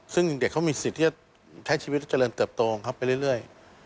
ซึ่งเด็กเขามีสิทธิ์ที่จะใช้ชีวิตและเจริญเติบโตของเขาไปเรื่อย